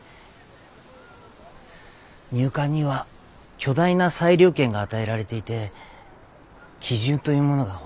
入管には巨大な裁量権が与えられていて基準というものがほとんどない。